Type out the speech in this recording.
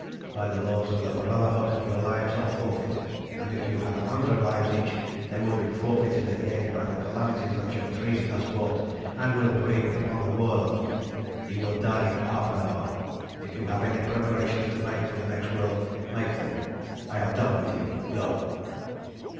By the laws of the Brotherhood your lives are forfeit, and if you had a hundred lives each they would be forfeited again by the calamities that your treason has brought, and will bring, upon the world. You will die in half an hour. If you have any preparations to make for the next world, make them. I have done with you. Go!"